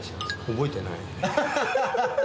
覚えてない。